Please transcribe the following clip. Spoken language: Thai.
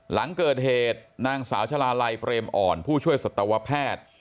หลังเกิดเหตุนางสาวชาลาลัยเปรมอ่อนผู้ช่วยสัตวแพทย์